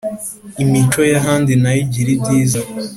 imico y’ahandi na yo igira ibyiza